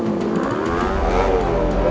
kita harus berhenti